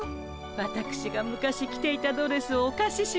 わたくしが昔着ていたドレスをおかししましたの。